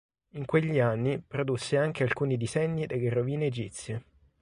In quegli anni produsse anche alcuni disegni delle rovine egizie.